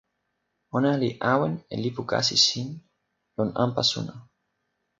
ona li awen e lipu kasi sin lon anpa suno.